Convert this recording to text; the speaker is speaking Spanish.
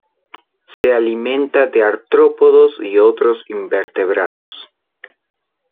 Se alimenta de artrópodos y otros invertebrados.